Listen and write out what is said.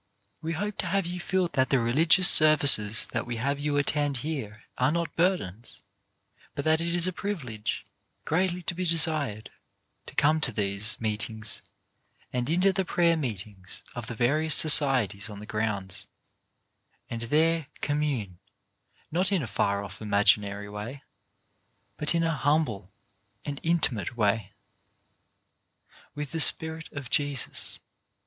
We hope to have you feel that the religious services that we have you attend here are not burdens, but that it is a privilege, greatly to be desired, to come to these meetings, and into the prayer meetings of the various societies on the grounds, and there com mune, not in a far off, imaginary way, but in an humble but intimate way, with the spirit of Jesus.